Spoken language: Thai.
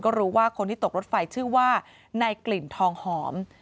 ก็รู้ว่าคนที่ตกรถไฟชื่อว่าในกลิ่นทองหอม